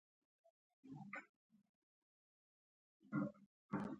یو مقدار جامد غوړي ښه تودوي او پر رومي بانجانو یې تویوي.